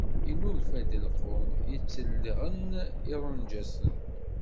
Yennulfa-d lqum yettelleɣen irunǧasen.